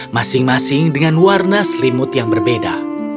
masing masing dengan warna selimut yang berbeda